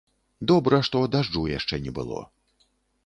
Добра, што дажджу яшчэ не было.